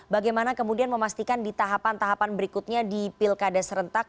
bagaimana kemudian memastikan di tahapan tahapan berikutnya di pilkada serentak